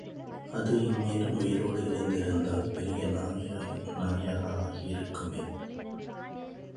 அது இந்நேரம் உயிரோடே இருந்திருந்தால், பெரிய நாயாக ஆகியிருக்குமே?